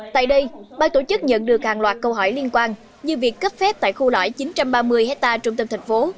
tại đây ban tổ chức nhận được hàng loạt câu hỏi liên quan như việc cấp phép tại khu lõi chín trăm ba mươi hectare trung tâm thành phố